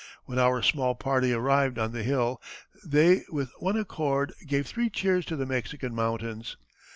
When our small party arrived on the hill they with one accord gave three cheers to the Mexican mountains."